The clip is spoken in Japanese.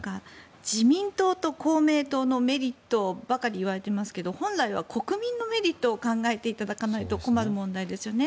自民党と公明党のメリットばかり言われていますけど本来は国民のメリットを考えていただかないと困る問題ですよね。